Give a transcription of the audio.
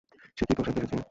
সে কি তোর সাথে এসেছে?